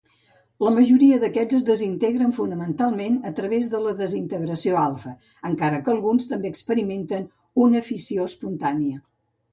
La majoria d'aquests es desintegren fonamentalment a través de la desintegració alfa, encara que alguns també experimenten una fissió espontània.